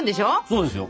そうですよ。